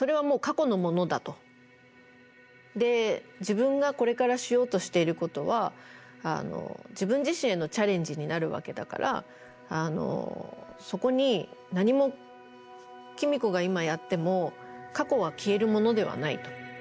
で自分がこれからしようとしていることは自分自身へのチャレンジになるわけだからそこに何も公子が今やっても過去は消えるものではないと。